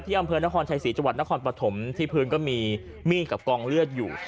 อำเภอนครชัยศรีจังหวัดนครปฐมที่พื้นก็มีมีดกับกองเลือดอยู่